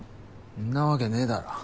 んなわけねぇだろ。